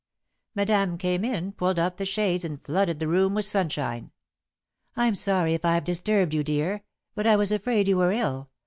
Madame came in, pulled up the shades and flooded the room with sunshine. "I'm sorry if I've disturbed you, dear, but I was afraid you were ill.